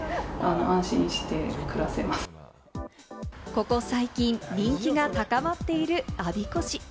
ここ最近、人気が高まっている我孫子市。